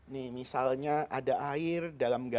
nih misalnya ada air dan air itu berubah